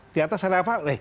di atas ada apa